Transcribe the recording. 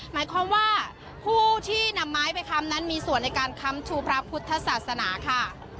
หมายความว่าผู้ที่นำไม้ไปค้ำนั้นมีส่วนในการค้ำชูพระพุทธศาสนาค่ะ